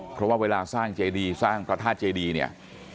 เพราะว่าเวลาสร้างเจดีสร้างพระธาตุเจดีเนี่ย